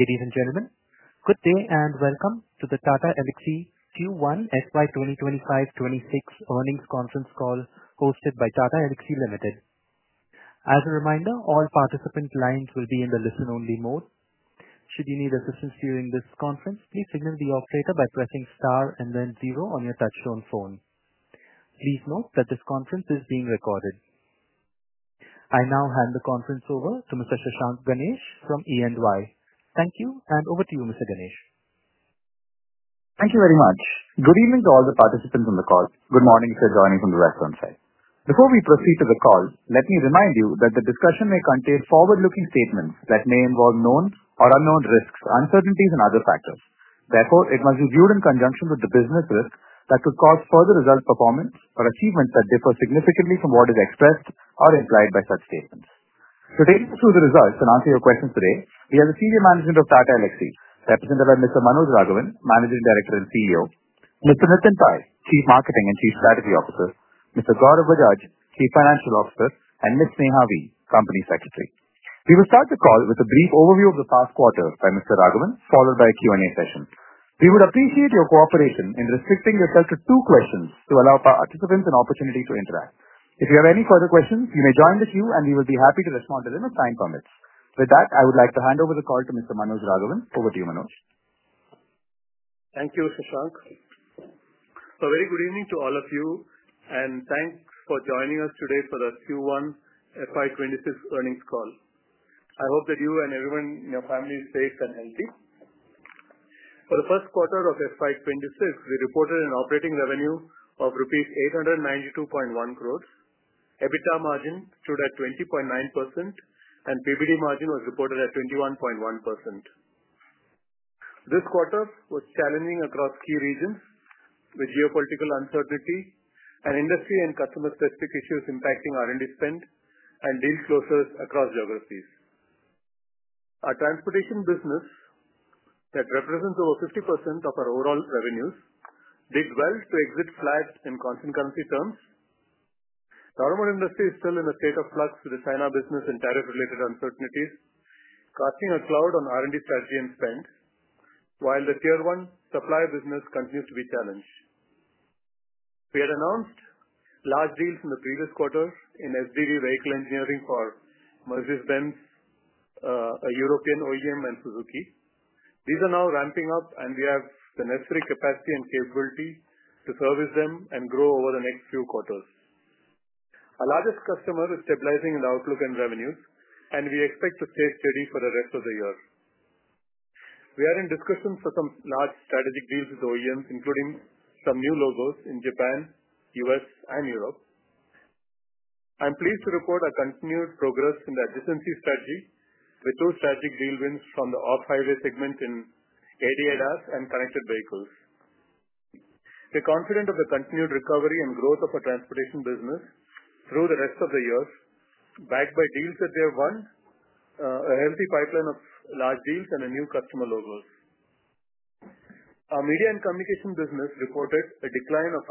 Ladies and gentlemen, good day and welcome to the Tata Elxsi Q1-FY 2025-26 earnings conference call hosted by Tata Elxsi Limited. As a reminder, all participant lines will be in the listen-only mode. Should you need assistance during this conference, please signal the operator by pressing star and then zero on your touch-tone phone. Please note that this conference is being recorded. I now hand the conference over to Mr. Shashank Ganesh from EY. Thank you, and over to you, Mr. Ganesh. Thank you very much. Good evening to all the participants on the call. Good morning if you're joining from the western side. Before we proceed to the call, let me remind you that the discussion may contain forward-looking statements that may involve known or unknown risks, uncertainties, and other factors. Therefore, it must be viewed in conjunction with the business risk that could cause further results, performance, or achievements that differ significantly from what is expressed or implied by such statements. To take you through the results and answer your questions today, we have the senior management of Tata Elxsi, represented by Mr. Manoj Raghavan, Managing Director and CEO; Mr. Nitin Pai, Chief Marketing and Chief Strategy Officer; Mr. Gaurav Bajaj, Chief Financial Officer; and Ms. Neha Vyas, Company Secretary. We will start the call with a brief overview of the past quarter by Mr. Raghavan, followed by a Q&A session. We would appreciate your cooperation in restricting yourself to two questions to allow participants an opportunity to interact. If you have any further questions, you may join the queue, and we will be happy to respond to them if time permits. With that, I would like to hand over the call to Mr. Manoj Raghavan. Over to you, Manoj. Thank you, Shashank. Very good evening to all of you, and thanks for joining us today for the Q1-SY 2026 earnings call. I hope that you and everyone in your families are safe and healthy. For the first quarter of SY 2026, we reported an operating revenue of 892.1 crore rupees, EBITDA margin stood at 20.9%, and PBD margin was reported at 21.1%. This quarter was challenging across key regions with geopolitical uncertainty and industry and customer-specific issues impacting R&D spend and deal closures across geographies. Our transportation business, that represents over 50% of our overall revenues, did well to exit flat in constant currency terms. The automotive industry is still in a state of flux with the China business and tariff-related uncertainties casting a cloud on R&D strategy and spend, while the tier one supply business continues to be challenged. We had announced large deals in the previous quarter in SDV, vehicle engineering, for Mercedes-Benz, a European OEM, and Suzuki. These are now ramping up, and we have the necessary capacity and capability to service them and grow over the next few quarters. Our largest customer is stabilizing in the outlook and revenues, and we expect to stay steady for the rest of the year. We are in discussions for some large strategic deals with the OEMs, including some new logos in Japan, U.S., and Europe. I'm pleased to report our continued progress in the efficiency strategy with two strategic deal wins from the off-highway segment in ADAS and connected vehicles. We're confident of the continued recovery and growth of our transportation business through the rest of the year, backed by deals that we have won, a healthy pipeline of large deals, and a new customer logo. Our media and communication business reported a decline of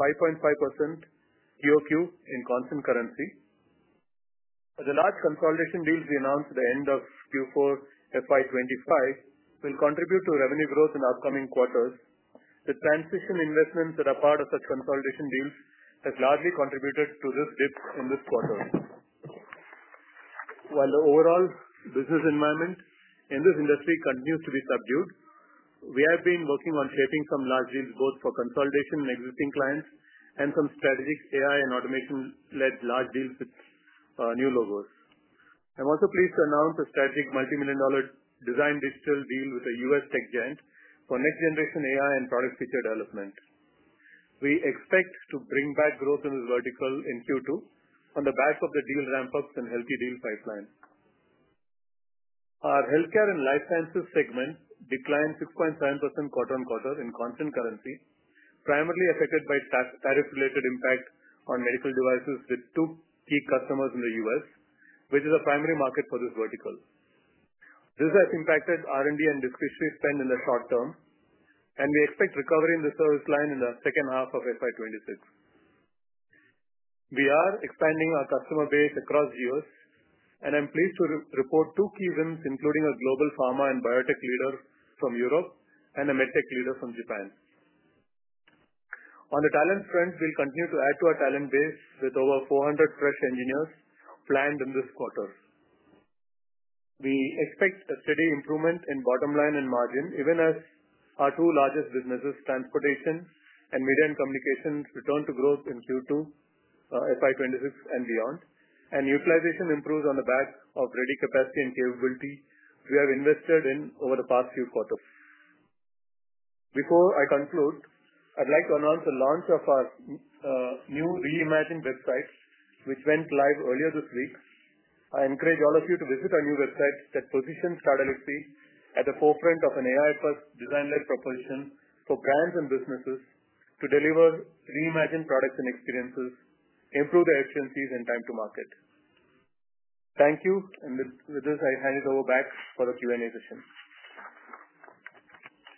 5.5% QoQ in constant currency. The large consolidation deals we announced at the end of Q4-SY 2025 will contribute to revenue growth in upcoming quarters. The transition investments that are part of such consolidation deals have largely contributed to this dip in this quarter. While the overall business environment in this industry continues to be subdued, we have been working on shaping some large deals, both for consolidation and existing clients, and some strategic AI and automation-led large deals with new logos. I'm also pleased to announce a strategic multi-million dollar design digital deal with a U.S. tech giant for next-generation AI and product feature development. We expect to bring back growth in this vertical in Q2 on the back of the deal ramp-ups and healthy deal pipeline. Our healthcare and life sciences segment declined 6.7% QoQ in constant currency, primarily affected by tariff-related impact on medical devices with two key customers in the U.S., which is a primary market for this vertical. This has impacted R&D and discretionary spend in the short term, and we expect recovery in the service line in the second half of SY 2026. We are expanding our customer base across the U.S., and I'm pleased to report two key wins, including a global pharma and biotech leader from Europe and a medtech leader from Japan. On the talent front, we'll continue to add to our talent base with over 400 fresh engineers planned in this quarter. We expect a steady improvement in bottom line and margin, even as our two largest businesses, transportation and media and communications, return to growth in Q2, SY 2026, and beyond, and utilization improves on the back of ready capacity and capability we have invested in over the past few quarters. Before I conclude, I'd like to announce the launch of our new reimagined website, which went live earlier this week. I encourage all of you to visit our new website that positions Tata Elxsi at the forefront of an AI-first design-led proposition for brands and businesses to deliver reimagined products and experiences, improve their efficiencies, and time to market. Thank you. With this, I hand it over back for the Q&A session.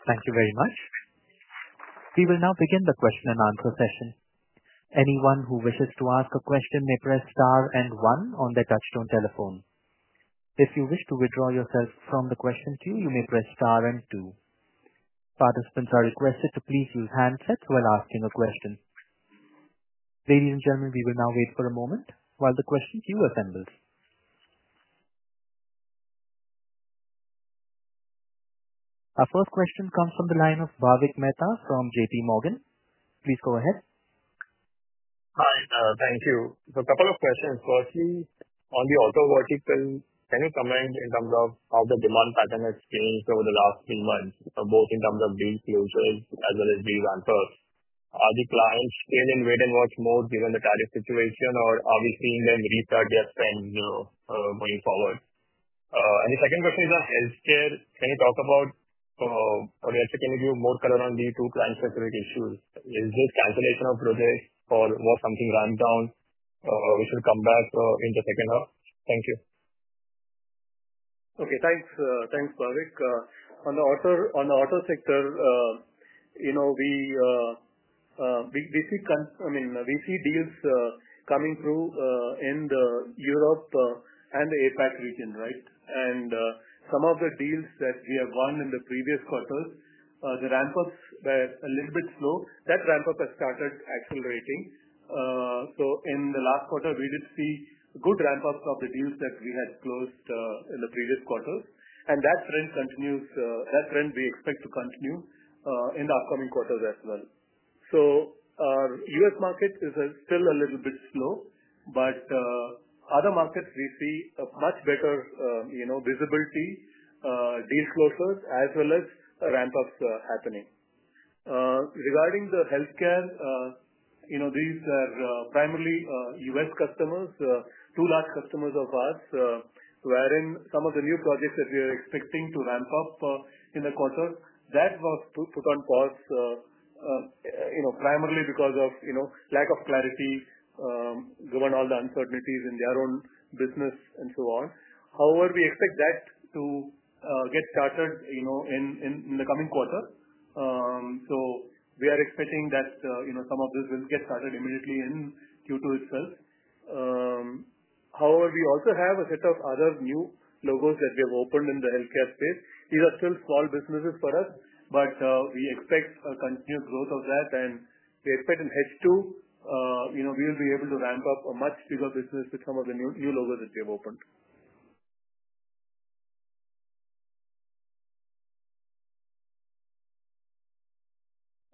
Thank you very much. We will now begin the question and answer session. Anyone who wishes to ask a question may press star and one on their touch-tone telephone. If you wish to withdraw yourself from the question queue, you may press star and two. Participants are requested to please use handsets while asking a question. Ladies and gentlemen, we will now wait for a moment while the question queue assembles. Our first question comes from the line of Bhavik Mehta from JPMorgan. Please go ahead. Hi. Thank you. A couple of questions. Firstly, on the auto vertical, can you comment in terms of how the demand pattern has changed over the last few months, both in terms of deal closures as well as deal ramp-ups? Are the clients staying in wait-and-watch mode given the tariff situation, or are we seeing them restart their spend, you know, moving forward? The second question is on healthcare. Can you talk about, or let's say, can you give more color on the two client-specific issues? Is this cancellation of projects or was something ramped down? We should come back in the second half. Thank you. Okay. Thanks, thanks, Bhavik. On the auto sector, we see deals coming through in Europe and the APAC region, right? Some of the deals that we have won in the previous quarters, the ramp-ups were a little bit slow. That ramp-up has started accelerating. In the last quarter, we did see good ramp-ups of the deals that we had closed in the previous quarters. That trend continues, and we expect that trend to continue in the upcoming quarters as well. Our US market is still a little bit slow, but other markets we see much better visibility, deal closures, as well as ramp-ups happening. Regarding healthcare, these are primarily US customers, two large customers of ours, wherein some of the new projects that we are expecting to ramp up in the quarter, that was put on pause, primarily because of lack of clarity, given all the uncertainties in their own business and so on. However, we expect that to get started in the coming quarter. We are expecting that some of this will get started immediately in Q2 itself. We also have a set of other new logos that we have opened in the healthcare space. These are still small businesses for us, but we expect a continuous growth of that. We expect in H2 we will be able to ramp up a much bigger business with some of the new logos that we have opened.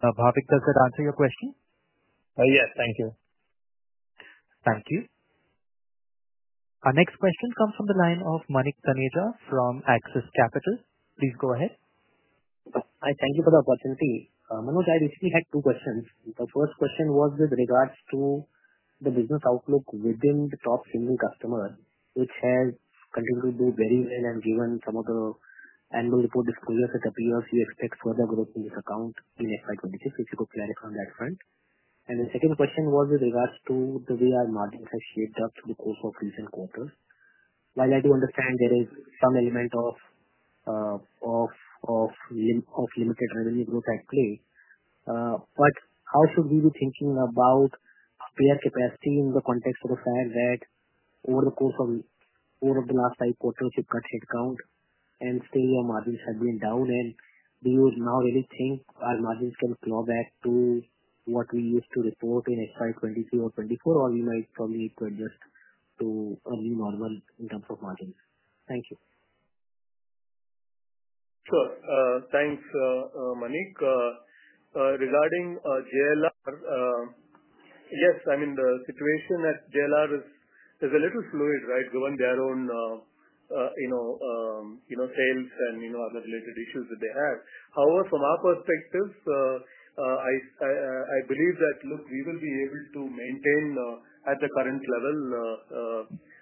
Bhavik, does that answer your question? Yes, thank you. Thank you. Our next question comes from the line of Manik Taneja from Axis Capital. Please go ahead. Hi. Thank you for the opportunity. Manoj, I recently had two questions. The first question was with regards to the business outlook within the top single customer, which has continued to do very well, and given some of the annual report disclosures, it appears you expect further growth in this account in SY 2026. Would you clarify on that front? The second question was with regards to the way our margins have shaped up through the course of recent quarters. While I do understand there is some element of limited revenue growth at play, how should we be thinking about payer capacity in the context of the fact that over the course of the last five quarters, you've cut headcount and still your margins have been down? Do you now really think our margins can claw back to what we used to report in SY 2023 or 2024, or we might probably need to adjust to a new normal in terms of margins? Thank you. Sure. Thanks, Manik. Regarding Jaguar Land Rover, yes, the situation at Jaguar Land Rover is a little fluid, given their own sales and other related issues that they have. However, from our perspective, I believe that we will be able to maintain at the current level.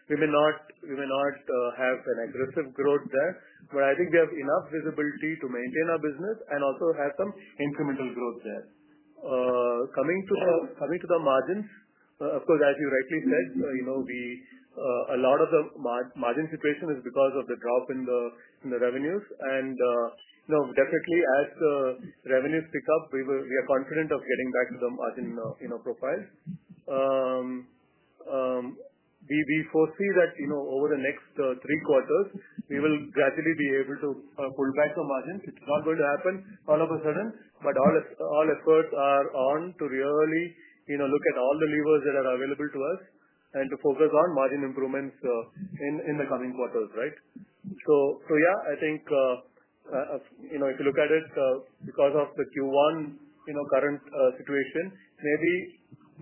We may not have an aggressive growth there, but I think we have enough visibility to maintain our business and also have some incremental growth there. Coming to the margins, as you rightly said, a lot of the margin situation is because of the drop in the revenues. As the revenues pick up, we are confident of getting back to the margin profile. We foresee that over the next three quarters, we will gradually be able to pull back the margins. It's not going to happen all of a sudden, but all efforts are on to really look at all the levers that are available to us and to focus on margin improvements in the coming quarters. If you look at it because of the Q1 current situation, maybe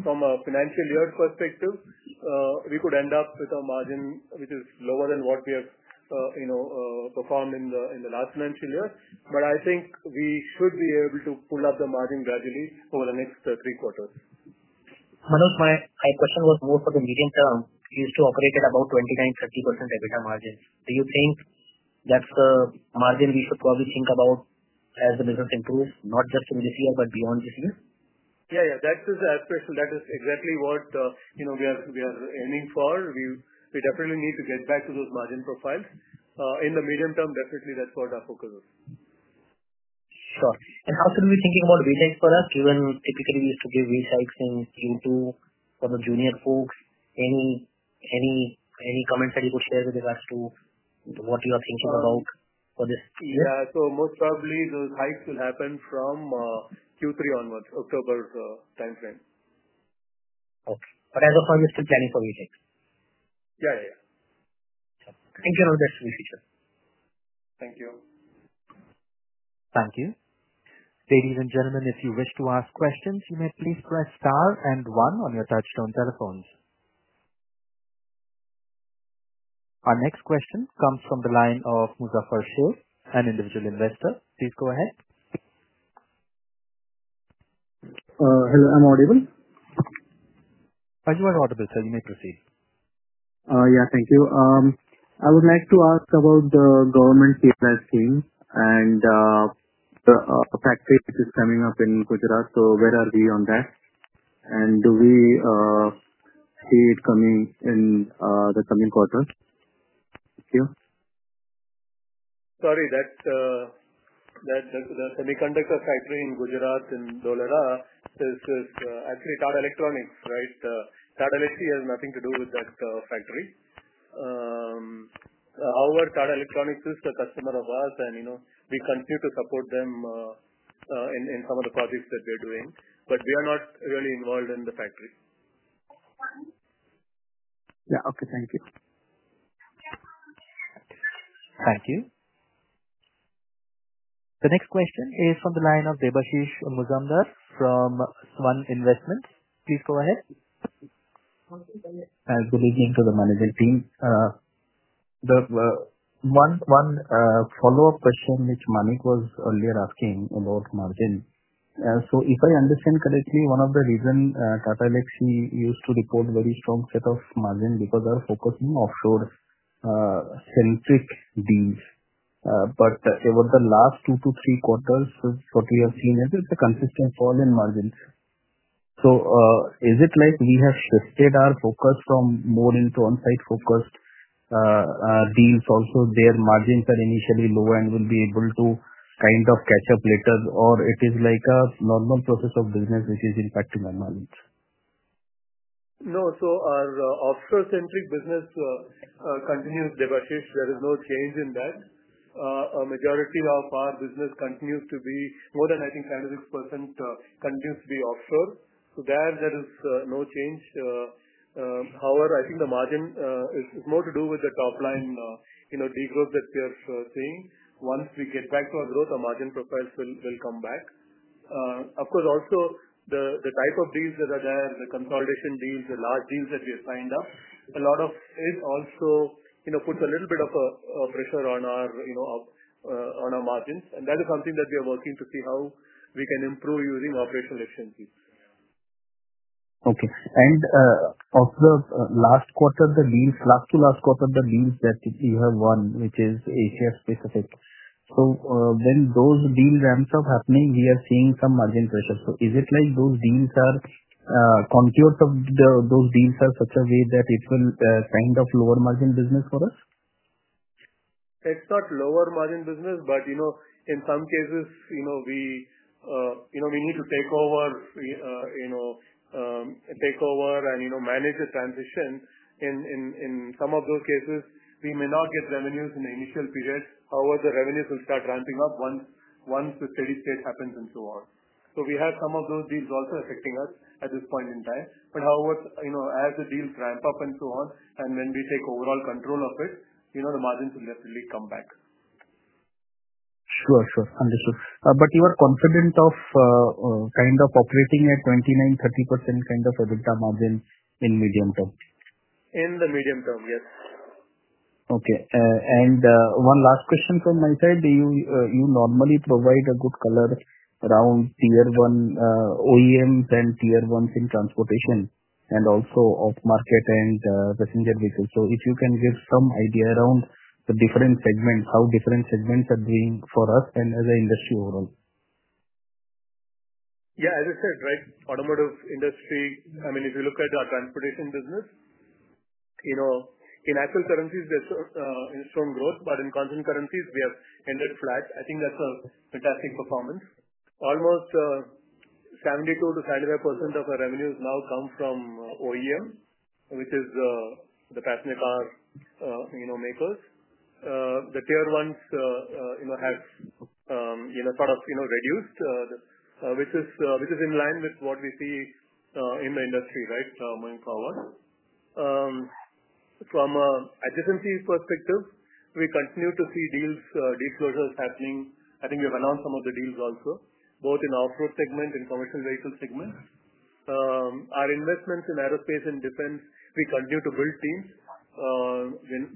from a financial year perspective, we could end up with a margin which is lower than what we have performed in the last financial year. I think we should be able to pull up the margin gradually over the next three quarters. Manoj, my question was more for the medium term. You used to operate at about 29%, 30% EBITDA margin. Do you think that's the margin we should probably think about as the business improves, not just in this year, but beyond this year? Yeah, that is the aspiration. That is exactly what we are aiming for. We definitely need to get back to those margin profiles. In the medium term, definitely, that's what our focus is. Sure. How should we be thinking about reselling for us, given typically we used to give reselling things Q2 for the junior folks? Any comments that you could share with regards to what you are thinking about for this? Yeah, most probably those hikes will happen from Q3 onwards, October timeframe. Okay. As of now, you're still planning for reselling? Yeah, yeah. Thank you and all the best for the future. Thank you. Thank you. Ladies and gentlemen, if you wish to ask questions, you may please press star and one on your touch-tone telephones. Our next question comes from the line of Muzaffar Shaikh, an individual investor. Please go ahead. Hello. I'm audible. Oh, you are audible, sir. You may proceed. Yeah, thank you. I would like to ask about the government KLIC and the factory that is coming up in Gujarat. Where are we on that? Do we see it coming in the coming quarter? Sorry. That's the semiconductor factory in Gujarat in Dholera is actually Tata Electronics, right? Tata Elxsi has nothing to do with that factory. Tata Electronics is a customer of ours, and you know we continue to support them in some of the projects that they're doing, but we are not really involved in the factory. Yeah, okay. Thank you. Thank you. The next question is from the line of Debashish Muzamdar from Svan Investments. Please go ahead. I believe I'm the management team. One follow-up question which Manik was earlier asking about margin. If I understand correctly, one of the reasons Tata Elxsi used to report a very strong set of margins is because they are focusing on offshore-centric deals. Over the last two to three quarters, what we have seen is it's a consistent fall in margins. Is it like we have shifted our focus more into on-site focused deals? Also, their margins are initially low and will be able to kind of catch up later, or is it like a normal process of business which is in fact to my knowledge? No. Our offshore-centric business continues, Debashish. There is no change in that. A majority of our business continues to be more than, I think, 76% continues to be offshore. There is no change. However, I think the margin is more to do with the top line degrowth that we are seeing. Once we get back to our growth, our margin profiles will come back. Of course, also the type of deals that are there, the consolidation deals, the large deals that we have signed up, a lot of it also puts a little bit of pressure on our margins. That is something that we are working to see how we can improve using operational efficiencies. Of the last quarter, the last two last quarters, the deals that we have won, which is Asia-specific, when those deal ramps up happening, we are seeing some margin pressure. Is it like those deals are concurred or those deals are such a way that it will kind of lower margin business for us? It's not lower margin business, but in some cases, we need to take over and manage the transition. In some of those cases, we may not get revenues in the initial period. However, the revenues will start ramping up once the steady state happens. We have some of those deals also affecting us at this point in time. However, as the deals ramp up and when we take overall control of it, the margins will definitely come back. Sure, sure. Understood. You are confident of kind of operating at 29-30% kind of EBITDA margin in medium term? In the medium term, yes. Okay. One last question from my side. Do you normally provide a good color around tier one OEMs and tier ones in transportation and also off-highway and passenger vehicles? If you can give some idea around the different segments, how different segments are doing for us and as an industry overall. Yeah. As I said, right, automotive industry, I mean, if you look at our transportation business, you know in actual currencies, there's a strong growth, but in constant currencies, we have ended flat. I think that's a fantastic performance. Almost 72% to 75% of our revenues now come from OEMs, which is the passenger car makers. The tier ones have sort of reduced, which is in line with what we see in the industry, right, moving forward. From an efficiency perspective, we continue to see deals, deal closures happening. I think we have announced some of the deals also, both in the off-highway segment and commercial vehicle segment. Our investments in aerospace and defense, we continue to build teams.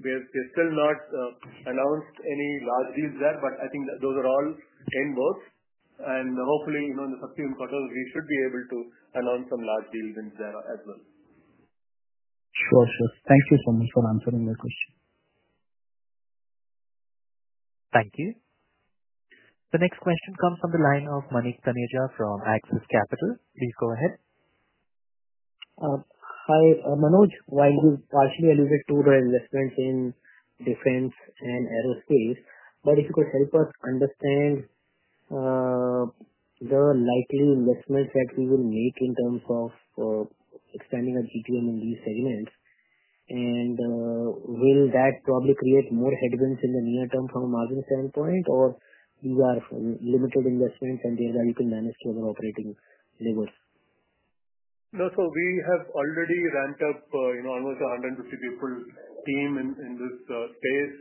We have still not announced any large deals there, but I think those are all in both. Hopefully, you know in the subsequent quarters, we should be able to announce some large deals in Jaguar Land Rover as well. Sure, sure. Thank you so much for answering the question. Thank you. The next question comes from the line of Manik Taneja from Axis Capital. Please go ahead. Hi, Manoj. While you partially alluded to the investments in defense and aerospace, if you could help us understand the likely investments that we will make in terms of expanding our GTM in these segments, will that probably create more headwinds in the near term from a margin standpoint, or are these limited investments and they're going to manage to other operating levers? No. We have already ramped up almost a 150 people team in this space.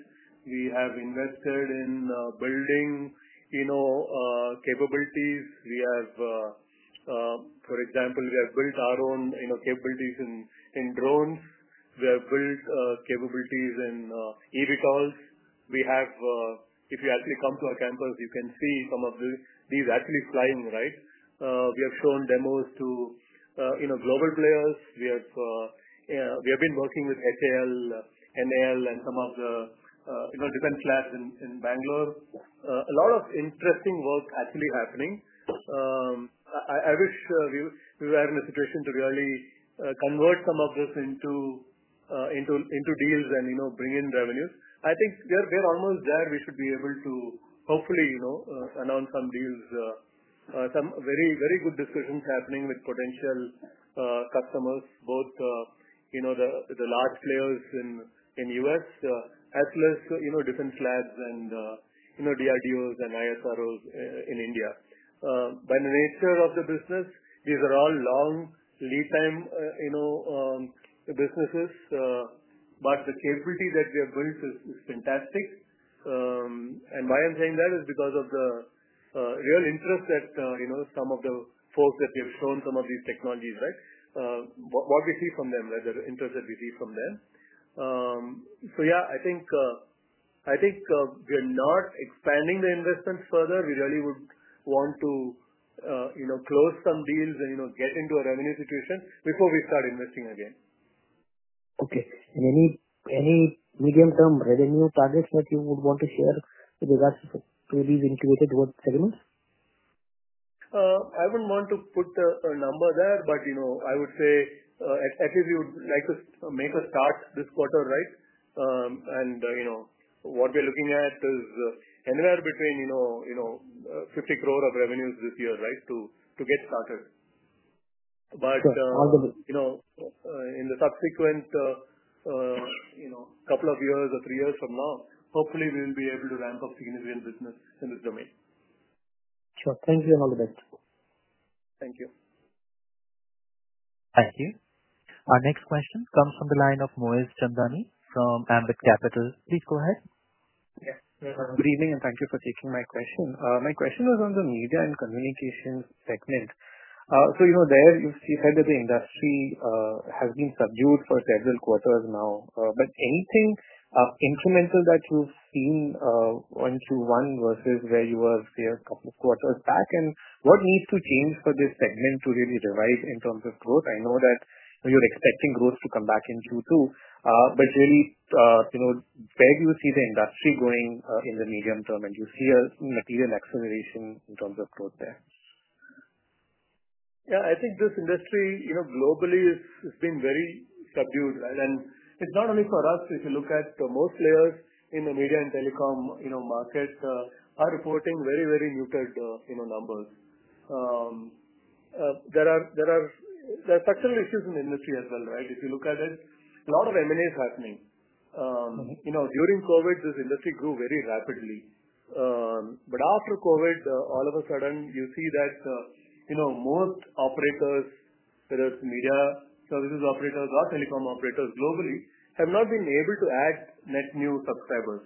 We have invested in building capabilities. For example, we have built our own capabilities in drones. We have built capabilities in eVTOLs. If you actually come to our campus, you can see some of these actually flying, right? We have shown demos to global players. We have been working with HAL, NAL, and some of the different flags in Bangalore. A lot of interesting work actually happening. I wish we were in a situation to really convert some of this into deals and bring in revenues. I think we're almost there. We should be able to hopefully announce some deals, some very, very good discussions happening with potential customers, both the large players in the U.S. as well as different flags and DRDOs and ISROs in India. By the nature of the business, these are all long lead-time businesses, but the capability that we have built is fantastic. I am saying that because of the real interest that some of the folks that we have shown some of these technologies, right? What we see from them, the interest that we see from them. Yeah, I think we are not expanding the investments further. We really would want to close some deals and get into a revenue situation before we start investing again. Okay. Any medium-term revenue targets that you would want to share with regards to these incubated work segments? I wouldn't want to put a number there, but you know I would say at least we would like to make a start this quarter, right? What we're looking at is anywhere between 50 crore of revenues this year, right, to get started. All the best. In the subsequent couple of years or three years from now, hopefully, we will be able to ramp up significant business in this domain. Sure. Thank you, and all the best. Thank you. Thank you. Our next question comes from the line of Moez Chandani from Ambit Capital. Please go ahead. Yes. Good evening, and thank you for taking my question. My question is on the media and communications segment. There, you've said that the industry has been subdued for several quarters now. Anything incremental that you've seen on Q1 versus where you were a couple of quarters back? What needs to change for this segment to really revive in terms of growth? I know that you're expecting growth to come back in Q2. Where do you see the industry going in the medium term? Do you see a material acceleration in terms of growth there? Yeah. I think this industry, you know, globally has been very subdued, right? It's not only for us. If you look at most players in the media and telecom market, they are reporting very, very muted numbers. There are structural issues in the industry as well, right? If you look at it, a lot of M&A is happening. During COVID, this industry grew very rapidly. After COVID, all of a sudden, you see that most operators, whether it's media services operators or telecom operators globally, have not been able to add net new subscribers.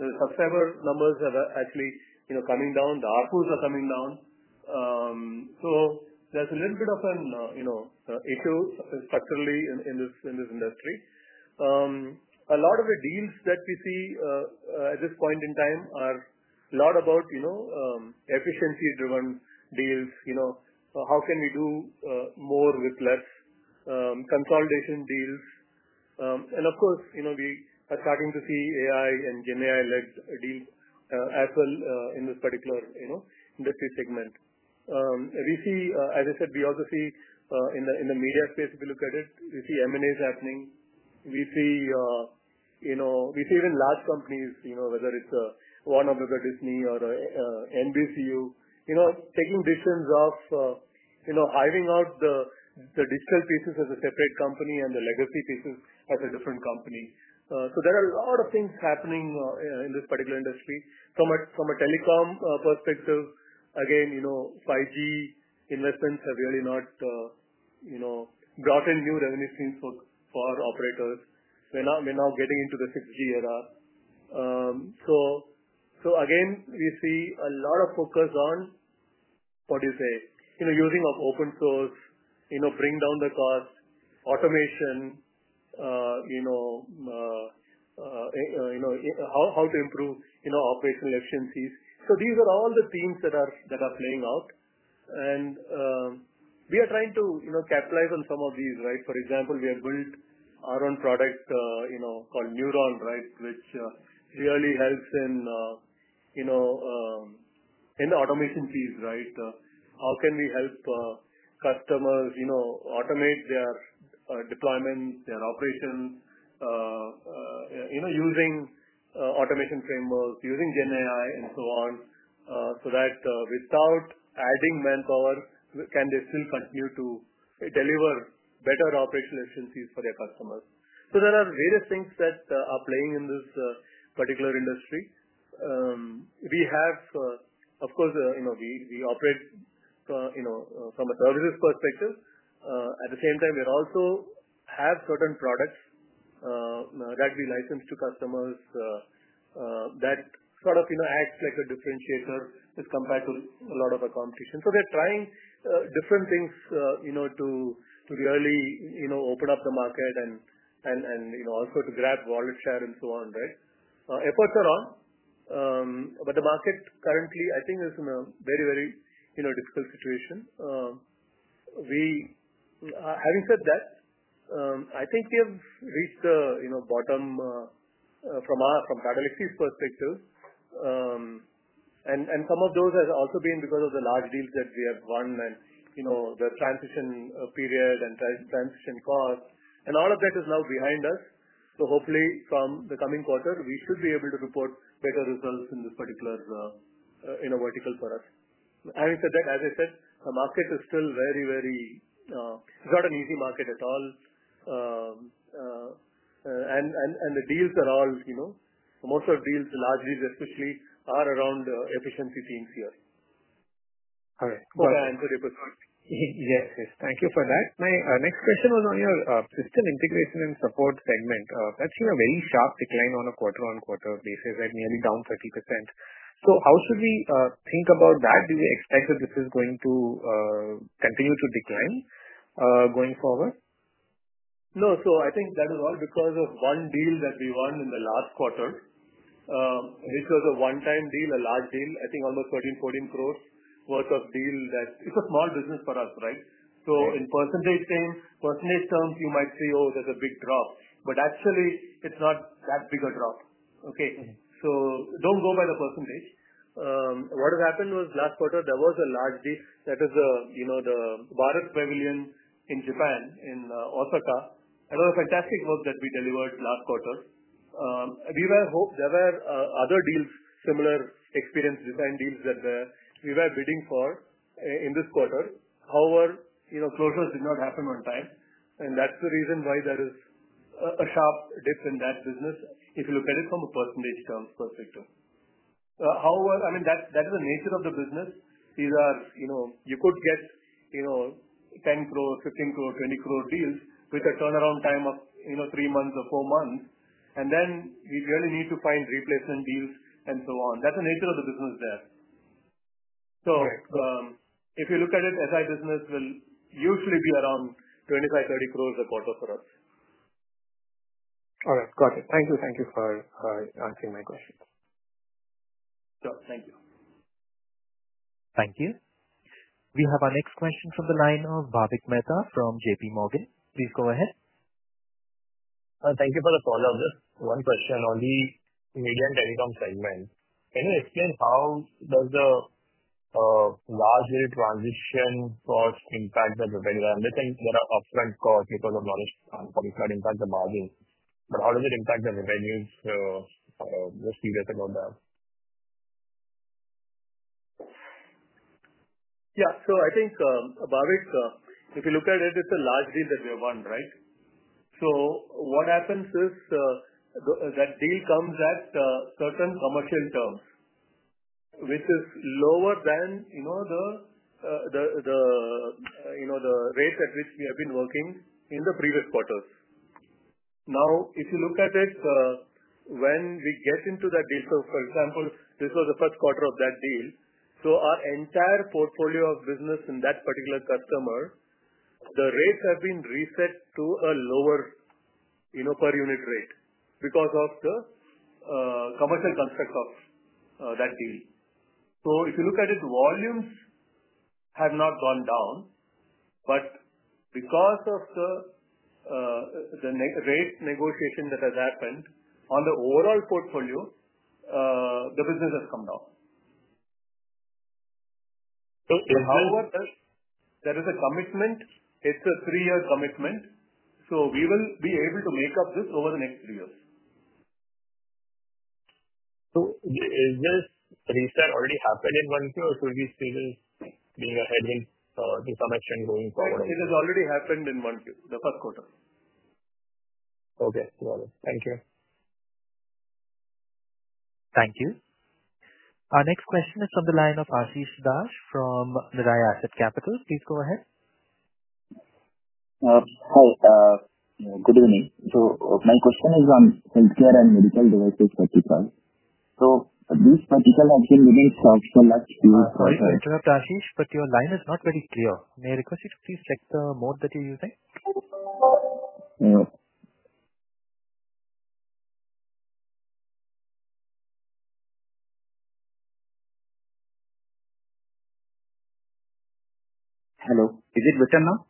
The subscriber numbers are actually coming down. The ARPUs are coming down. There's a little bit of an issue structurally in this industry. A lot of the deals that we see at this point in time are a lot about efficiency-driven deals. How can we do more with less? Consolidation deals. Of course, we are starting to see AI and GenAI-led deals as well in this particular industry segment. As I said, we also see in the media space, if you look at it, we see M&As happening. We see even large companies, whether it's a Warner Bros. or a Disney or an NBCU, taking decisions of hiving out the digital pieces as a separate company and the legacy pieces as a different company. There are a lot of things happening in this particular industry. From a telecom perspective, again, 5G investments have really not brought in new revenue streams for operators. We're now getting into the 6G era. We see a lot of focus on using open source, bringing down the cost, automation, how to improve operational efficiencies. These are all the themes that are playing out. We are trying to capitalize on some of these, right? For example, we have built our own product called Neuron, which really helps in the automation piece. How can we help customers automate their deployments, their operations, using automation frameworks, using GenAI, and so on, so that without adding manpower, can they still continue to deliver better operational efficiencies for their customers? There are various things that are playing in this particular industry. We operate from a services perspective. At the same time, we also have certain products that we license to customers that act like a differentiator as compared to a lot of our competition. They're trying different things to really open up the market and also to grab wallet share and so on, right? Efforts are on, but the market currently, I think, is in a very, very difficult situation. Having said that, I think we have reached the bottom from Tata Elxsi's perspective. Some of those have also been because of the large deals that we have won and the transition period and transition cost. All of that is now behind us. Hopefully, from the coming quarter, we should be able to report better results in this particular vertical for us. Having said that, as I said, the market is still very, very, it's not an easy market at all. The deals are all, most of the deals, the large deals especially, are around efficiency themes here. All right. Hope I answered your question. Yes, yes. Thank you for that. My next question was on your system integration and support segment. That's seen a very sharp decline on a quarter-on-quarter basis at nearly down 30%. How should we think about that? Do we expect that this is going to continue to decline going forward? No. I think that is all because of one deal that we won in the last quarter, which was a one-time deal, a large deal, I think almost 13 crore, 14 crore worth of deal. It's a small business for us, right? In percentage terms, you might say, "Oh, there's a big drop." Actually, it's not that big a drop, okay? Don't go by the percentage. What has happened was last quarter, there was a large deal. That is the Baruch Pavilion in Japan in Osaka. That was fantastic work that we delivered last quarter. We were hoping there were other deals, similar experience design deals that we were bidding for in this quarter. However, closures did not happen on time. That's the reason why there is a sharp dip in that business if you look at it from a percentage terms perspective. That is the nature of the business. These are, you know, you could get, you know, 10 crore, 15 crore, 20 crore deals with a turnaround time of, you know, three months or four months. We really need to find replacement deals and so on. That's the nature of the business there. If you look at it, our business will usually be around 25 crore, 30 crore a quarter for us. All right. Got it. Thank you. Thank you for answering my questions. Sure. Thank you. Thank you. We have our next question from the line of Bhavik Mehta from JPMorgan. Please go ahead. Thank you for the call. I have just one question on the media and telecom segment. Can you explain how does the large transition cost impact the revenue? I understand there are upfront costs because of knowledge and coming to that impact the margins. How does it impact the revenues? Just curious about that. Yeah. I think, Bhavik, if you look at it, it's a large deal that we have won, right? What happens is that deal comes at certain commercial terms, which is lower than, you know, the rate at which we have been working in the previous quarters. If you look at it, when we get into that deal, for example, this was the first quarter of that deal. Our entire portfolio of business in that particular customer, the rates have been reset to a lower, you know, per unit rate because of the commercial constructs of that deal. If you look at it, volumes have not gone down. Because of the rate negotiation that has happened on the overall portfolio, the business has come down. So how? There is a commitment. It's a three-year commitment. We will be able to make up this over the next three years. Is this reset already happened in one Q, or should we see this being a headwind to some extent going forward? It has already happened in one quarter, the first quarter. Okay. Got it. Thank you. Thank you. Our next question is from the line of Ashis Dash from Niraya Asset Capital. Please go ahead. Hi. Good evening. My question is on healthcare and medical devices vertical. These verticals have been giving sharp spikes. Sorry to interrupt, Ashis, but your line is not very clear. May I request you to please check the mode that you're using? Hello. Is it better now?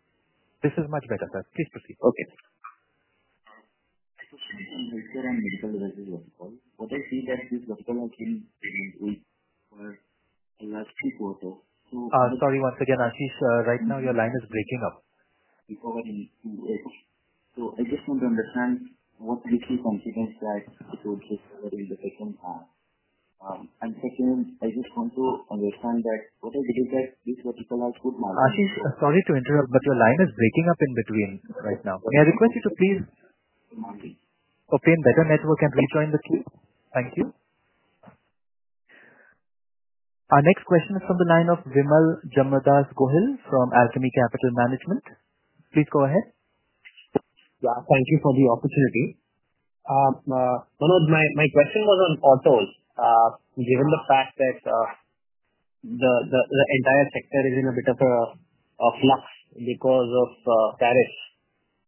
This is much better, sir. Please proceed. Okay. I was thinking healthcare and medical devices vertical. I see that this vertical has been taking place for the last three quarters. Sorry once again, Ashis. Right now, your line is breaking up. Before we move to it, I just want to understand what makes you confident that it will take over in the second half. I just want to understand that what I believe is that this vertical has good margins. Ashis, sorry to interrupt, but your line is breaking up in between right now. May I request you to please obtain better network and rejoin the queue? Thank you. Our next question is from the line of Vimal Jamrdas Gohil from Alchemy Capital Management. Please go ahead. Thank you for the opportunity. One of my questions was on autos. Given the fact that the entire sector is in a bit of a flux because of tariffs,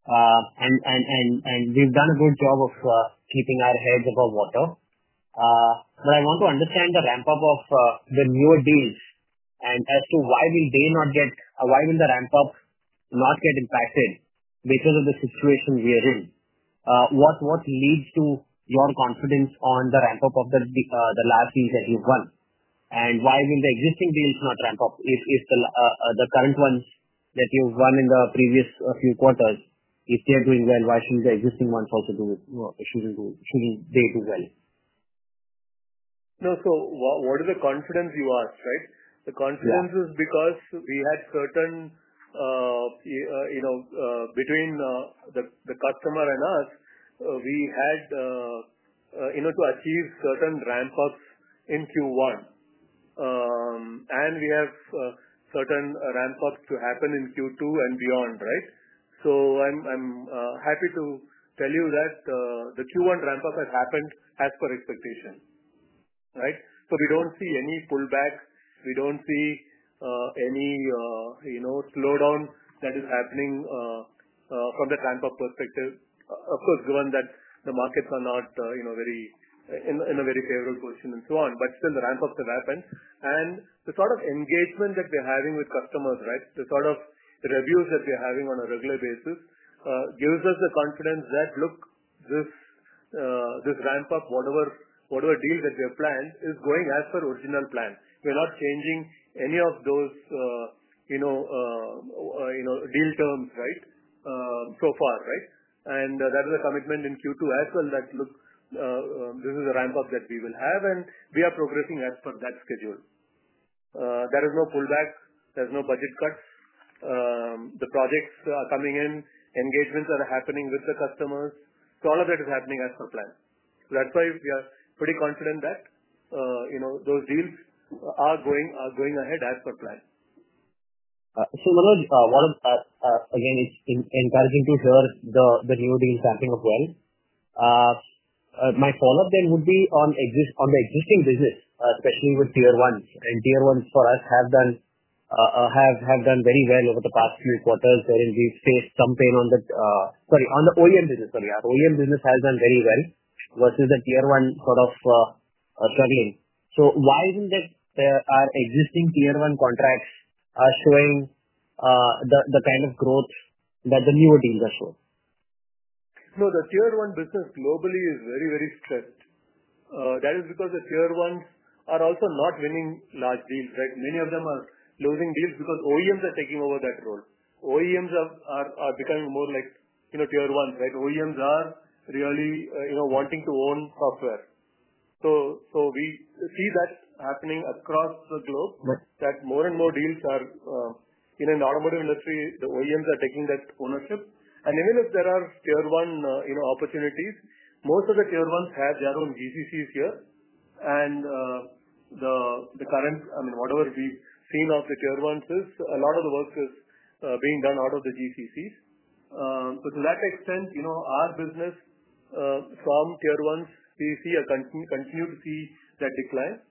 and we've done a good job of keeping our heads above water, I want to understand the ramp-up of the newer deals and as to why will they not get, or why will the ramp-up not get impacted because of the situation we are in. What leads to your confidence on the ramp-up of the last deals that you've won? Why will the existing deals not ramp up if the current ones that you've won in the previous few quarters, if they're doing well, why shouldn't the existing ones also do it? Shouldn't they do well? No. What is the confidence you asked, right? The confidence is because we had certain, you know, between the customer and us, we had, you know, to achieve certain ramp-ups in Q1. We have certain ramp-ups to happen in Q2 and beyond, right? I'm happy to tell you that the Q1 ramp-up has happened as per expectation, right? We don't see any pullback. We don't see any, you know, slowdown that is happening from the ramp-up perspective. Of course, given that the markets are not, you know, in a very favorable position and so on, still, the ramp-ups have happened. The sort of engagement that we're having with customers, the sort of reviews that we're having on a regular basis gives us the confidence that, look, this ramp-up, whatever deal that we have planned, is going as per original plan. We're not changing any of those, you know, deal terms, right, so far, right? That is a commitment in Q2 as well that, look, this is a ramp-up that we will have, and we are progressing as per that schedule. There is no pullback. There's no budget cuts. The projects are coming in. Engagements are happening with the customers. All of that is happening as per plan. That's why we are pretty confident that, you know, those deals are going ahead as per plan. Manoj, it's encouraging to hear the new deals ramping up well. My follow-up then would be on the existing business, especially with tier ones. Tier ones for us have done very well over the past few quarters, wherein we've faced some pain on the OEM business. Our OEM business has done very well versus the tier one sort of struggling. Why isn't it that our existing tier one contracts are showing the kind of growth that the newer deals are showing? No. The tier one business globally is very, very stressed. That is because the tier ones are also not winning large deals, right? Many of them are losing deals because OEMs are taking over that role. OEMs are becoming more like, you know, tier ones, right? OEMs are really, you know, wanting to own software. We see that happening across the globe, that more and more deals are, you know, in the automotive industry, the OEMs are taking that ownership. Even if there are tier one, you know, opportunities, most of the tier ones have their own GCCs here. The current, I mean, whatever we've seen of the tier ones is a lot of the work is being done out of the GCCs. To that extent, you know, our business from tier ones, we continue to see that decline.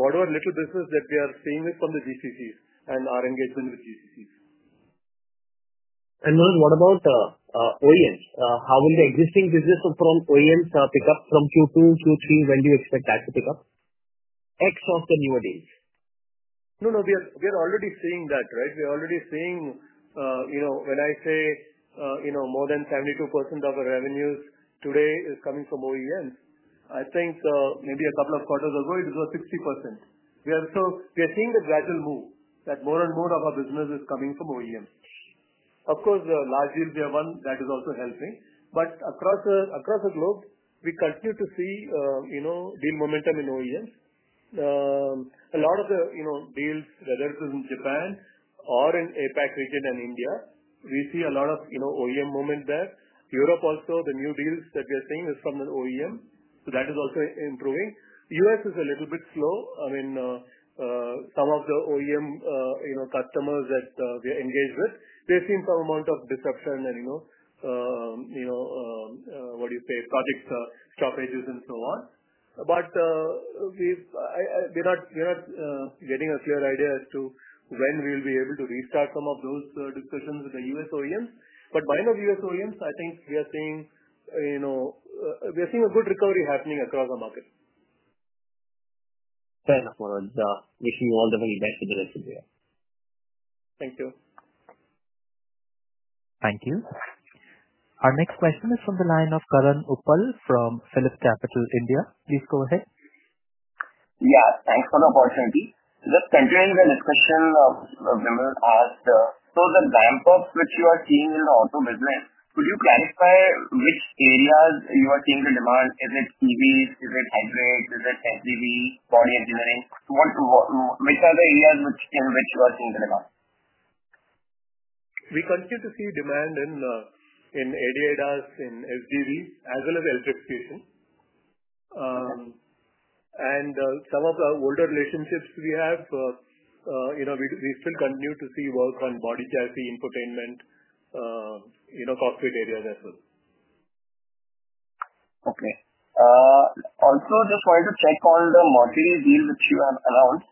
Whatever little business that we are seeing is from the GCCs and our engagement with GCCs. Manoj, what about OEMs? How will the existing business from OEMs pick up from Q2, Q3? When do you expect that to pick up X of the newer deals? No, no. We are already seeing that, right? We are already seeing, you know, when I say, you know, more than 72% of our revenues today is coming from OEMs, I think maybe a couple of quarters ago, it was 60%. We are seeing a gradual move that more and more of our business is coming from OEMs. Of course, the large deals we have won, that is also helping. Across the globe, we continue to see, you know, deal momentum in OEMs. A lot of the, you know, deals, whether it is in Japan or in APAC region and India, we see a lot of, you know, OEM moment there. Europe also, the new deals that we are seeing is from the OEM. That is also improving. U.S. is a little bit slow. Some of the OEM, you know, customers that we are engaged with, they've seen some amount of disruption and, you know, what do you say, projects are stoppages and so on. We're not getting a clear idea as to when we'll be able to restart some of those discussions with the U.S. OEMs. By the U.S. OEMs, I think we are seeing, you know, we are seeing a good recovery happening across the market. Fair enough, Manoj. Wishing you all the very best with the rest of the year. Thank you. Thank you. Our next question is from the line of Karan Uppal from PhillipCapital India. Please go ahead. Yeah. Thanks for the opportunity. Just continuing the discussion Vimal asked, the ramp-ups which you are seeing in the auto business, could you clarify which areas you are seeing the demand? Is it EVs? Is it hybrids? Is it SUVs, body engineering? Which are the areas in which you are seeing the demand? We continue to see demand in ADAS and SUVs as well as electric stations. Some of the older relationships we have, you know, we still continue to see work on body chassis, infotainment, you know, cockpit areas as well. Okay. Also, just wanted to check on the modular deal which you have announced.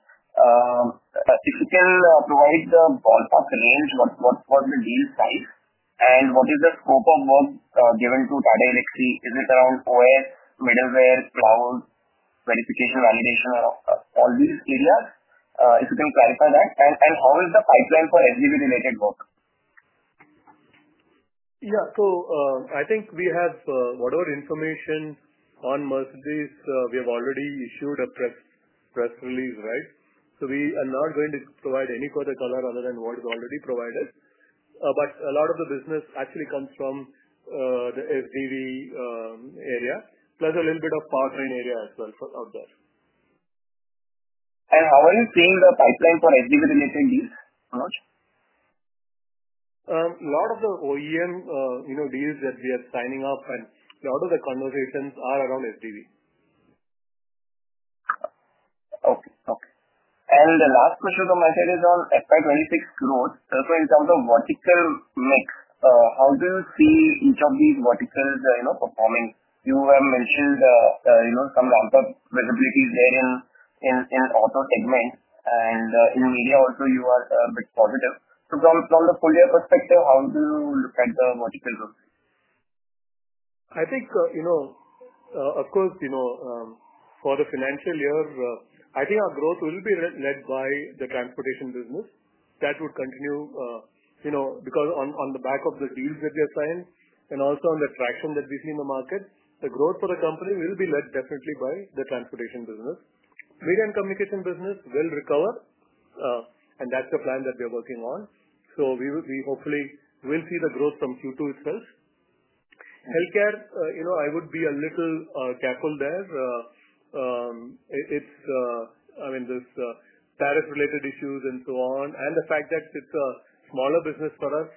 If you can provide the ballpark range, what was the deal size? What is the scope of work given to Tata Elxsi? Is it around OS, middleware, cloud, verification, validation, or all these areas? If you can clarify that. How is the pipeline for SUV-related work? Yeah. I think we have whatever information on Mercedes-Benz, we have already issued a press release, right? We are not going to provide any further color other than what is already provided. A lot of the business actually comes from the SUV area, plus a little bit of powertrain area as well out there. How are you seeing the pipeline for SUV-related deals, Manoj? A lot of the OEM deals that we are signing up and a lot of the conversations are around SUVs. Okay. The last question from my side is on FY 2026 growth. For example, vertical mix, how do you see each of these verticals performing? You have mentioned some ramp-up visibility is there in auto segments. In media also, you are a bit positive. From the folio perspective, how do you look at the vertical growth? I think, you know, of course, you know, for the financial year, I think our growth will be led by the transportation business. That would continue, you know, because on the back of the deals that we are signing and also on the traction that we see in the market, the growth for the company will be led definitely by the transportation business. Media and communication business will recover. That's the plan that we are working on. We hopefully will see the growth from Q2 itself. Healthcare, you know, I would be a little careful there. I mean, there's tariff-related issues and so on, and the fact that it's a smaller business for us.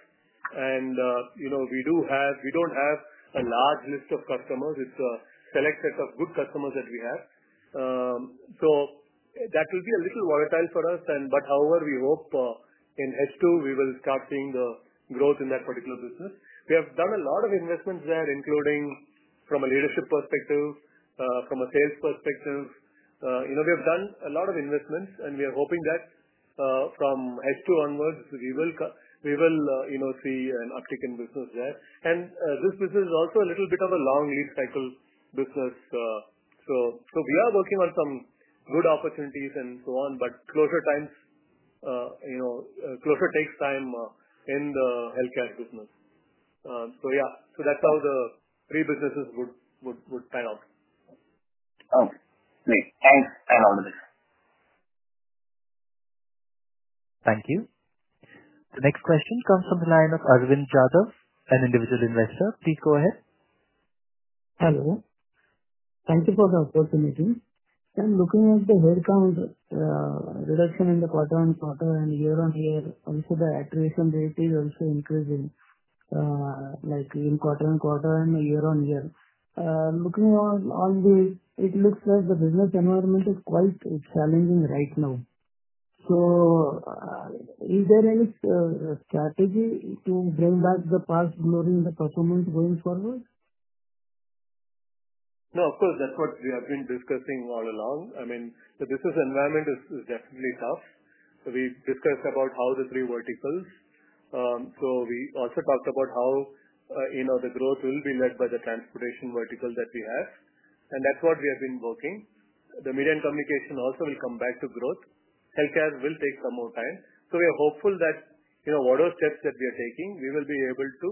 You know, we don't have a large list of customers. It's a select set of good customers that we have. That will be a little volatile for us. However, we hope in H2, we will start seeing the growth in that particular business. We have done a lot of investments there, including from a leadership perspective, from a sales perspective. You know, we have done a lot of investments, and we are hoping that from H2 onwards, we will, you know, see an uptick in business there. This business is also a little bit of a long lead cycle business. We are working on some good opportunities and so on. Closer takes time in the healthcare business. Yeah. That's how the three businesses would stand out. Okay. Great. Thanks and all the best. Thank you. The next question comes from the line of Arvind Jadhav, an individual investor. Please go ahead. Hello. Thank you for the opportunity. I'm looking at the headcount reduction in the quarter on quarter and year on year. Also, the attrition rate is also increasing, like in quarter on quarter and year on year. Looking on all these, it looks like the business environment is quite challenging right now. Is there any strategy to bring back the past glory in the performance going forward? No. Of course, that's what we have been discussing all along. I mean, the business environment is definitely tough. We discussed about how the three verticals, we also talked about how, you know, the growth will be led by the transportation vertical that we have. That's what we have been working. The media and communication also will come back to growth. Healthcare will take some more time. We are hopeful that, you know, whatever steps that we are taking, we will be able to,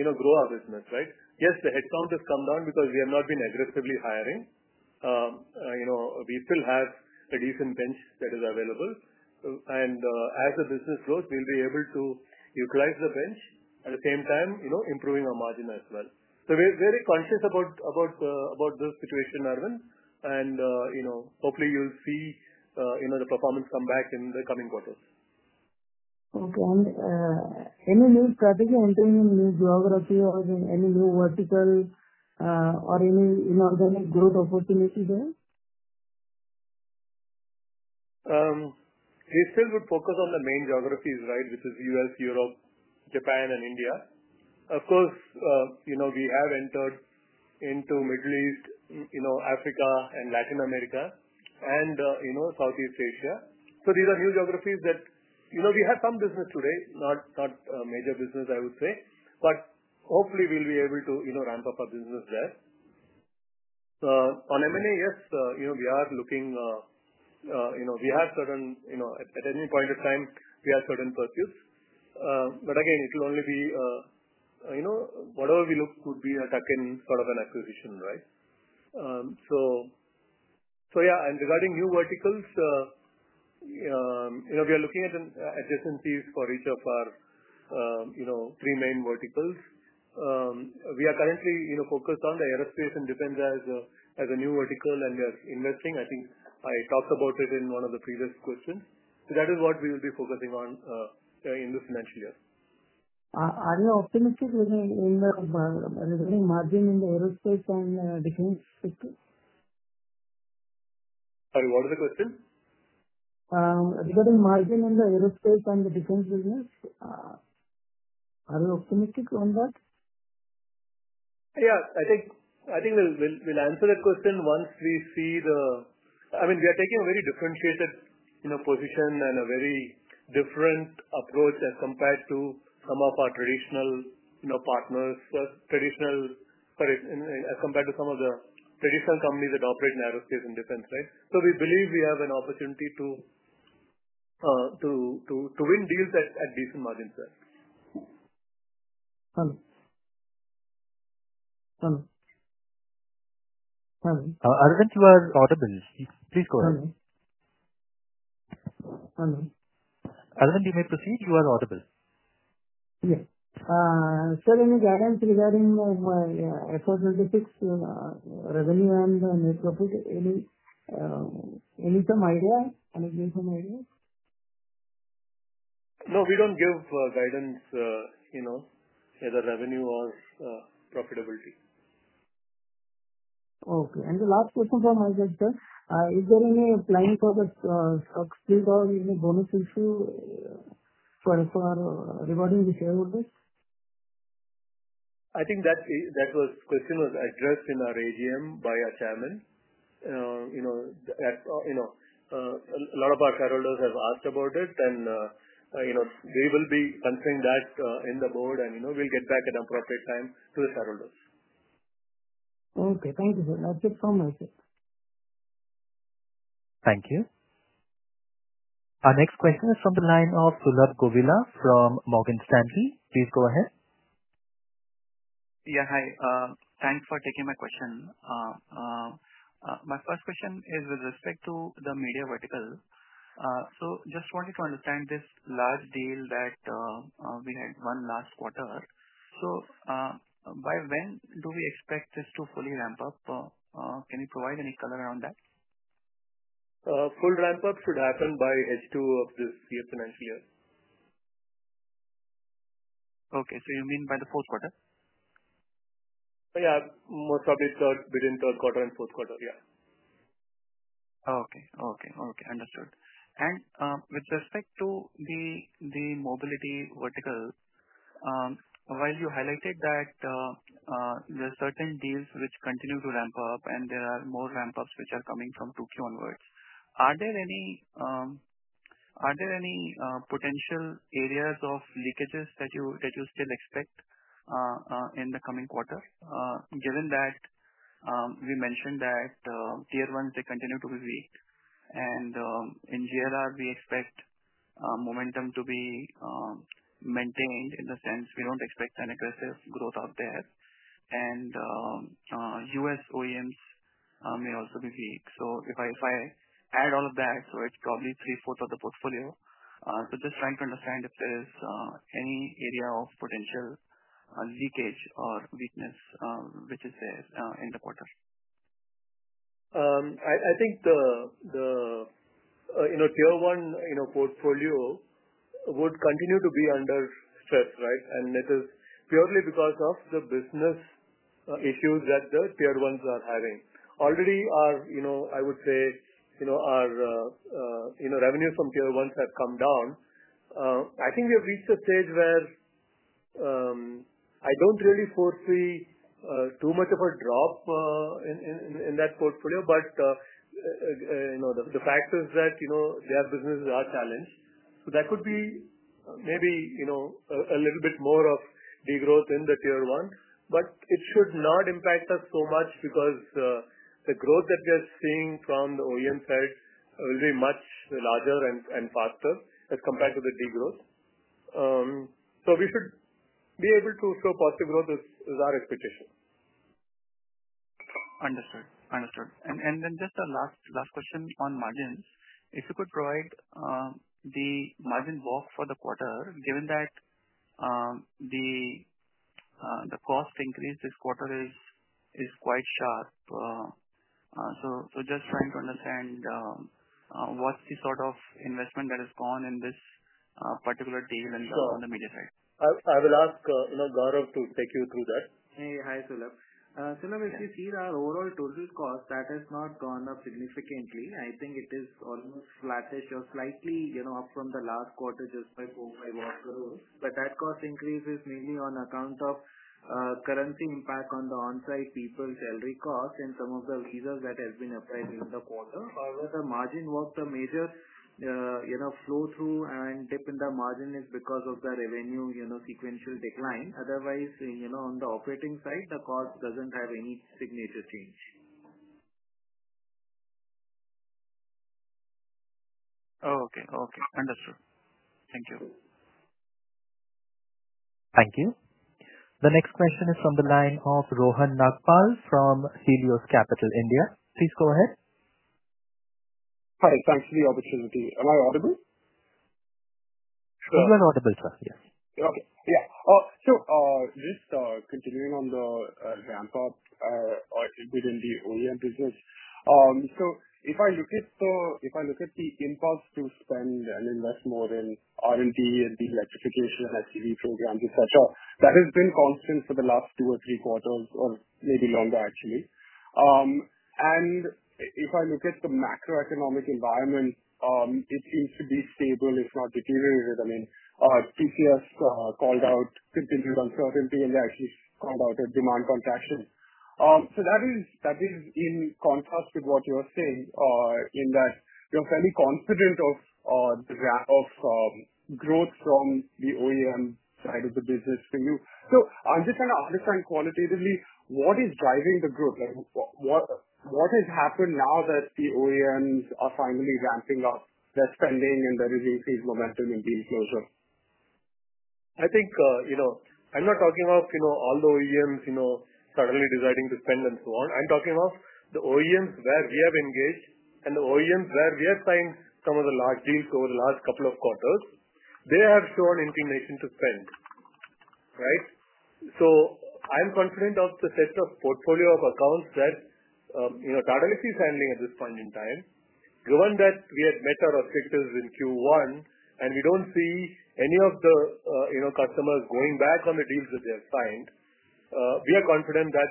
you know, grow our business, right? Yes, the headcount has come down because we have not been aggressively hiring. We still have a decent bench that is available. As the business grows, we'll be able to utilize the bench at the same time, you know, improving our margin as well. We are very conscious about the situation, Arvind. Hopefully, you'll see, you know, the performance come back in the coming quarters. Okay. Are you probably entering in new geography or in any new vertical, or are there any growth opportunities there? We still would focus on the main geographies, which is U.S., Europe, Japan, and India. Of course, we have entered into the Middle East, Africa, and Latin America, and Southeast Asia. These are new geographies that we have some business today, not a major business, I would say. Hopefully, we'll be able to ramp up our business there. On M&A, yes, we are looking, we have certain, at any point in time, we have certain pursuits. Again, it will only be whatever we look could be a tuck-in sort of an acquisition, right? Regarding new verticals, we are looking at adjacencies for each of our three main verticals. We are currently focused on the aerospace and defense as a new vertical, and we are investing. I think I talked about it in one of the previous questions. That is what we will be focusing on in the financial year. Are you optimistic in the margin in the aerospace and defense sector? Sorry, what was the question? Regarding margin in the aerospace and the defense business, are you optimistic on that? Yeah. I think we'll answer that question once we see the, I mean, we are taking a very differentiated position and a very different approach as compared to some of our traditional partners for traditional, sorry, as compared to some of the traditional companies that operate in aerospace and defense, right? We believe we have an opportunity to win deals at decent margins there. Arvind, you are audible. Please go ahead. Arvind, you may proceed. You are audible. Yes. Sir, any guidance regarding FY 2026 revenue and net profit? Any idea? Any gain, some idea? No, we don't give guidance, you know, either revenue or profitability. Okay. The last question from my sector, is there any plan for the stock split or any bonus issue regarding the shareholders? I think that question was addressed in our AGM by our Chairman. A lot of our shareholders have asked about it, and you know we will be answering that in the board. We will get back at a proper time to the shareholders. Okay. Thank you, sir. That's it from my side. Thank you. Our next question is from the line of [Kobin]h from Morgan Stanley. Please go ahead. Yeah. Hi. Thanks for taking my question. My first question is with respect to the media vertical. I just wanted to understand this large deal that we had won last quarter. By when do we expect this to fully ramp up? Can you provide any color around that? Full ramp-up should happen by H2 of this financial year. Okay, you mean by the fourth quarter? Yeah, most probably within third quarter and fourth quarter. Yeah. Okay. Understood. With respect to the mobility verticals, while you highlighted that there are certain deals which continue to ramp up and there are more ramp-ups which are coming from 2Q onwards, are there any potential areas of leakages that you still expect in the coming quarter? Given that we mentioned that tier ones, they continue to be weak, and in Jaguar Land Rover, we expect momentum to be maintained in the sense we don't expect an aggressive growth out there. U.S. OEMs may also be weak. If I add all of that, it's probably three-fourths of the portfolio. Just trying to understand if there is any area of potential leakage or weakness which is there in the quarter. I think the tier one portfolio would continue to be under stress, right? This is purely because of the business issues that the tier ones are having. Already, our revenues from tier ones have come down. I think we have reached a stage where I don't really foresee too much of a drop in that portfolio. The fact is that their businesses are challenged. That could be maybe a little bit more of degrowth in the tier one. It should not impact us so much because the growth that we are seeing from the OEM side will be much larger and faster as compared to the degrowth. We should be able to show positive growth is our expectation. Understood. Understood. Just a last question on margins. If you could provide the margin walk for the quarter, given that the cost increase this quarter is quite sharp. Just trying to understand what's the sort of investment that has gone in this particular deal on the media side. I will ask Gaurav to take you through that. Hey. Hi, Suhlad. Suhlad, as you see, our overall total cost has not gone up significantly. I think it is almost flattish or slightly, you know, up from the last quarter just by four or five off the road. That cost increase is mainly on account of current impact on the onsite people's salary costs and some of the visas that have been applied in the quarter. However, the margin walked, the major, you know, flow-through and dip in the margin is because of the revenue, you know, sequential decline. Otherwise, you know, on the operating side, the cost doesn't have any signature change. Oh, okay. Okay. Understood. Thank you. Thank you. The next question is from the line of Rohan Nagpal from Helios Capital India. Please go ahead. Hi, thanks for the opportunity. Am I audible? You are audible, sir. Yes. Okay. Yeah. Just continuing on the ramp-up within the OEM business, if I look at the impulse to spend and invest more in R&D and the electrification and SUV programs, etc., that has been constant for the last two or three quarters or maybe longer, actually. If I look at the macroeconomic environment, it seems to be stable, if not deteriorated. I mean, TCS called out continued uncertainty, and they actually called out a demand contraction. That is in contrast with what you're saying in that you're fairly confident of growth from the OEM side of the business for you. I'm just trying to understand qualitatively what is driving the growth. What has happened now that the OEMs are finally ramping up their spending and there is increased momentum in deal closure? I'm not talking about all the OEMs suddenly deciding to spend and so on. I'm talking about the OEMs where we have engaged and the OEMs where we have signed some of the large deals over the last couple of quarters. They have shown inclination to spend, right? I'm confident of the sets of portfolio of accounts that Tata Elxsi is handling at this point in time. Given that we had better objectives in Q1 and we don't see any of the customers going back on the deals that they have signed, we are confident that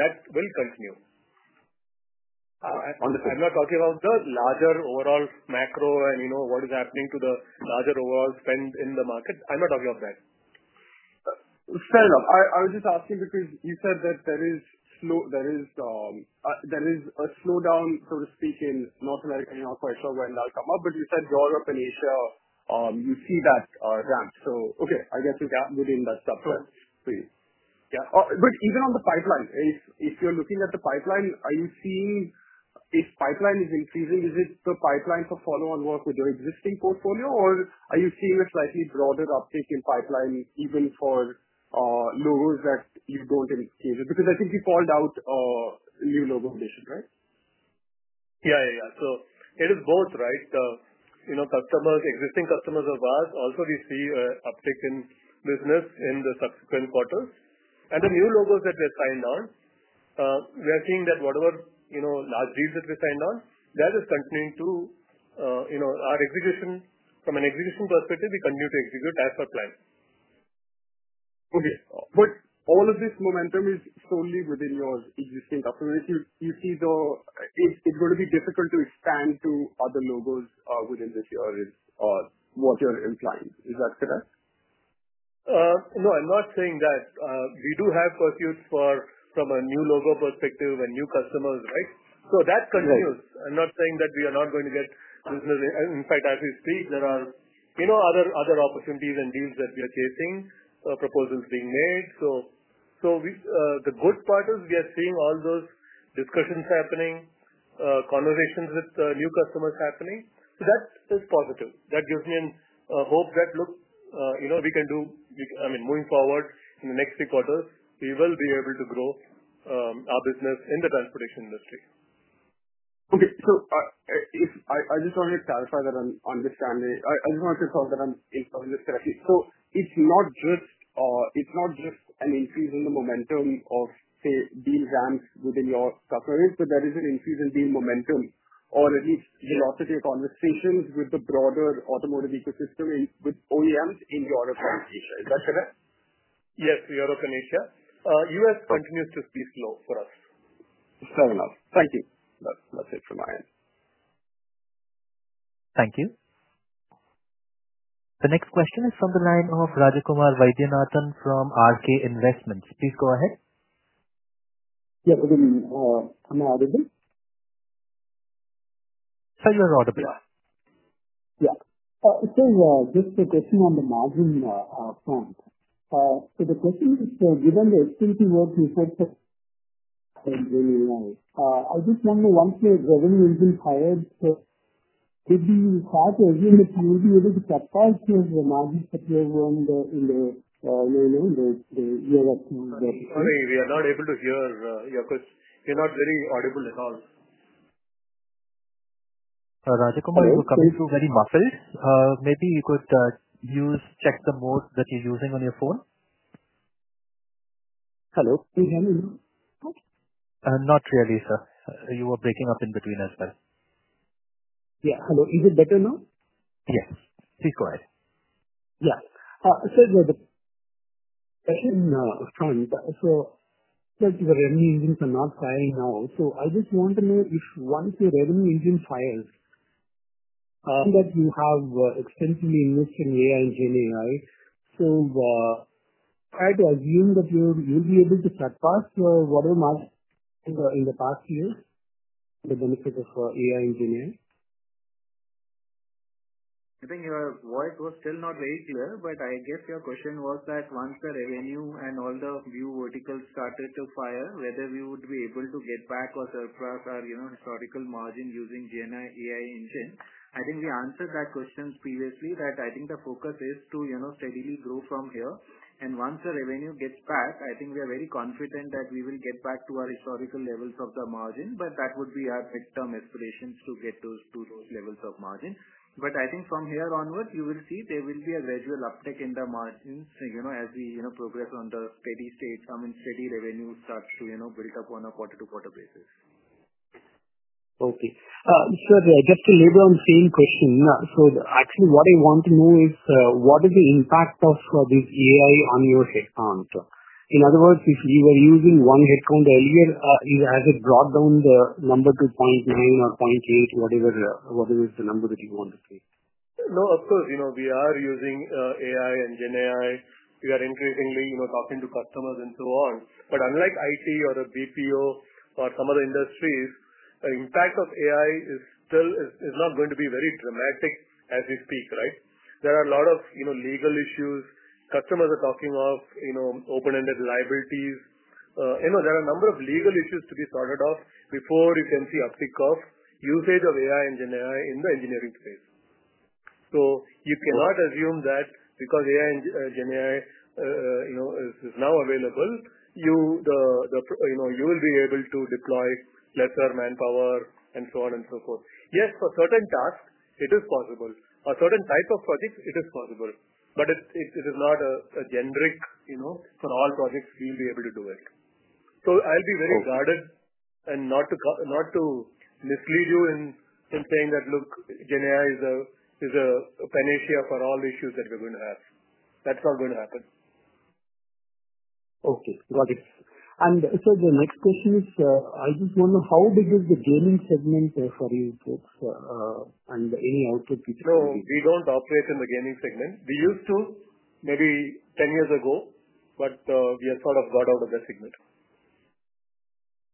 that will continue. Understood. I'm not talking about the larger overall macro, you know, what is happening to the larger overall spend in the market. I'm not talking about that. Fair enough. I was just asking because you said that there is a slowdown, so to speak, in North America. I'm not quite sure where that'll come up. You said Europe and Asia, you see that ramp. Okay, I guess we can add it in that subset. Yeah. Even on the pipeline, if you're looking at the pipeline, are you seeing if pipeline is increasing, is it the pipeline for follow-on work with your existing portfolio, or are you seeing a slightly broader uptake in pipeline even for logos that you don't engage in? I think you called out new logo relation, right? Yeah, yeah, yeah. It is both, right? Customers, existing customers of ours, also we see an uptick in business in the subsequent quarters. The new logos that we have signed on, we are seeing that whatever large deals that we signed on, that is continuing to our execution. From an execution perspective, we continue to execute as per plan. Okay. All of this momentum is solely within your existing customers. You see, it's going to be difficult to expand to other logos within this year is what you're implying. Is that correct? No, I'm not saying that. We do have pursuits from a new logo perspective and new customers, right? That continues. I'm not saying that we are not going to get business. In fact, as we speak, there are other opportunities and deals that we are chasing, proposals being made. The good part is we are seeing all those discussions happening, conversations with the new customers happening. That is positive. That gives me hope that, look, you know, we can do, I mean, moving forward in the next three quarters, we will be able to grow our business in the transportation industry. Okay. I just wanted to confirm that I'm understanding this correctly. It's not just an increase in the momentum of, say, deal ramps within your customers, but there is an increase in deal momentum or at least velocity of conversations with the broader automotive ecosystem with OEMs in Europe and Asia. Is that correct? Yes, in Europe and Asia. U.S. continues to be slow for us. Fair enough. Thank you. That's it from my end. Thank you. The next question is from the line of Rajakumar Vaidyanathan from RK Investments. Please go ahead. Yes, I'm audible. Sir, you're audible. Yeah. Sir, just a question on the margin front. The question is, given the SUV work you said that I just wonder once your revenue has been higher, would you have a feeling that you would be able to capitalize the margins that you have earned in the year of? Sorry, we are not able to hear you because you're not very audible at all. Rajakumar, you're very muffled. Maybe you could check the mode that you're using on your phone. Hello? Can you hear me now? Hello? Not really, sir. You were breaking up in between as well. Hello. Is it better now? Yes, please go ahead. Yeah. Sir, the question is, your revenue engines are not firing now. I just want to know if once your revenue engine fires, that you have extensively invested in AI and GenAI. I'd assume that you'll be able to surpass whatever margin in the past years with the benefit of AI and GenAI? I think your voice was still not very clear, but I guess your question was that once the revenue and all the new verticals started to fire, whether we would be able to get back or surpass our historical margin using GenAI engine. I think we answered that question previously. I think the focus is to steadily grow from here. Once the revenue gets back, I think we are very confident that we will get back to our historical levels of the margin. That would be our midterm aspirations to get to those levels of margin. I think from here onwards, you will see there will be a gradual uptick in the margins as we progress on the steady state. I mean, steady revenue starts to build up on a quarter-to-quarter basis. Okay. Sir, just to lay down the same question, what I want to know is what is the impact of this AI on your headcount? In other words, if you were using one headcount earlier, has it brought down the number to 0.9 or 0.8, whatever is the number that you want to see? Of course, you know, we are using AI and GenAI. We are increasingly talking to customers and so on. Unlike IT or a BPO or some other industries, the impact of AI is still not going to be very dramatic as we speak, right? There are a lot of legal issues. Customers are talking of open-ended liabilities. There are a number of legal issues to be sorted off before you can see uptick of usage of AI and GenAI in the engineering space. You cannot assume that because AI and GenAI is now available, you will be able to deploy lesser manpower and so on and so forth. Yes, for certain tasks, it is possible. For certain types of projects, it is possible. It is not a generic, you know, for all projects, we will be able to do it. I'll be very guarded and not to mislead you in saying that, look, GenAI is a panacea for all issues that we're going to have. That's not going to happen. Okay. Got it. Sir, the next question is, I just want to know how big is the gaming segment for you folks and any output you can see? We don't operate in the gaming segment. We used to maybe 10 years ago, but we have sort of got out of that segment.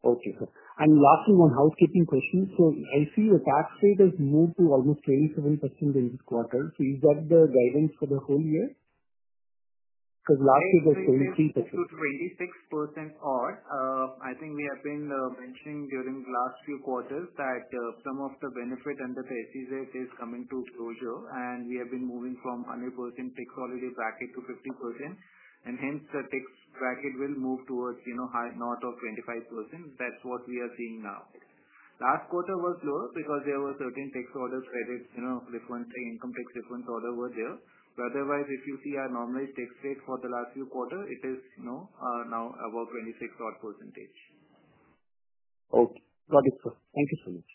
Okay, sir. Last thing on housekeeping questions. I see the tax rate has moved to almost 27% in this quarter. Is that the guidance for the whole year? Last year, there was 23%. It's 26%. I think we have been mentioning during the last few quarters that some of the benefit under the SEZ is coming to closure. We have been moving from 100% tax holiday bracket to 50%, and hence, the tax bracket will move towards a north of 25%. That's what we are seeing now. Last quarter was lower because there were certain tax order credits, you know, income tax reference order were there. Otherwise, if you see our normalized tax rate for the last few quarters, it is now above 26% odd. Okay. Got it, sir. Thank you so much.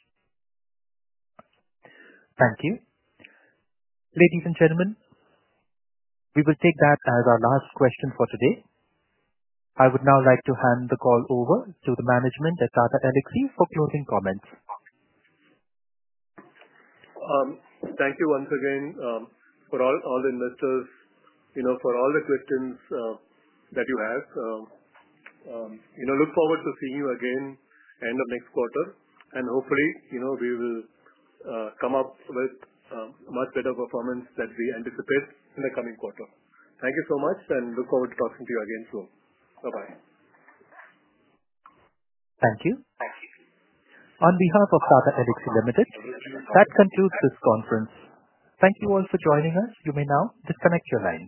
Thank you. Ladies and gentlemen, we will take that as our last question for today. I would now like to hand the call over to the management at Tata Elxsi for closing comments. Thank you once again for all the investors for all the questions that you have. Look forward to seeing you again end of next quarter. Hopefully, you know, we will come up with a much better performance that we anticipate in the coming quarter. Thank you so much. Look forward to talking to you again soon. Bye-bye. Thank you. Thank you. On behalf of Tata Elxsi Ltd, that concludes this conference. Thank you all for joining us. You may now disconnect your line.